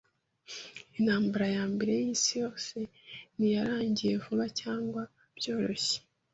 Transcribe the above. Intambara ya Mbere y'Isi Yose ntiyarangiye vuba cyangwa byoroshye.